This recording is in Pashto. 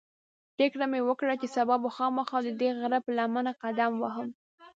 پرېکړه مې وکړه چې سبا به خامخا ددې غره پر لمنه قدم وهم.